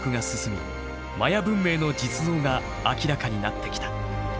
マヤ文明の実像が明らかになってきた。